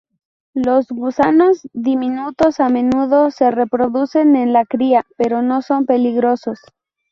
Los gusanos diminutos a menudo se reproducen en la cría, pero no son peligrosos.